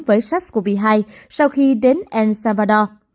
với sars cov hai sau khi đến el salvador